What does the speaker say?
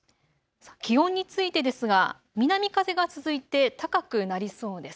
気温についてですが南風が続いて高くなりそうです。